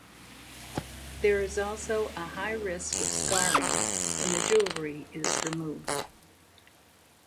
There is also a high risk of scarring when the jewellery is removed.